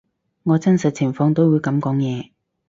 我真實情況都會噉講嘢